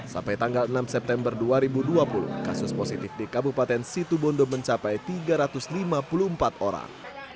sampai tanggal enam september dua ribu dua puluh kasus positif di kabupaten situbondo mencapai tiga ratus lima puluh empat orang